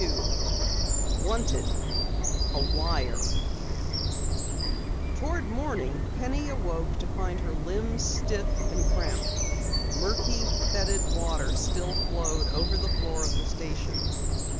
CHAPTER 22 WANTED A WIRE Toward morning Penny awoke to find her limbs stiff and cramped. Murky, fetid water still flowed over the floor of the station.